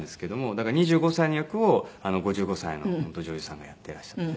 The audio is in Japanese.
だから２５歳の役を５５歳の女優さんがやっていらっしゃって。